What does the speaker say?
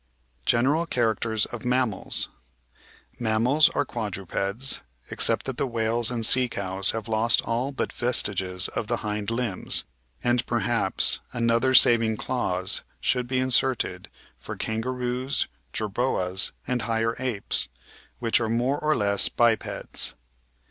General Characters of Mammals Mammals are quadrupeds, except that the whales and sea cows have lost all but vestiges of the hind limbs, and perhaps another saving clause should be inserted for kangaroos, jerboas, and higher apes, which are more or less bipeds.